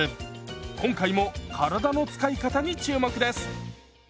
今回も体の使い方に注目です！